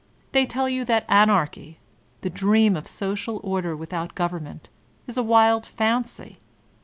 They tell you that Anarchy, the dream of social order with out goverment, is a wild fancy.